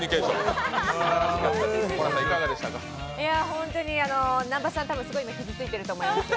本当に南波さん、多分傷ついていると思います。